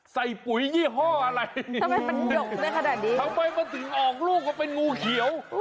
ใส่ปุ๋ยยี่ห้ออะไรทำไมมันถึงออกรูปว่าเป็งงูเขียว